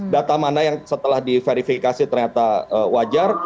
data mana yang setelah diverifikasi ternyata wajar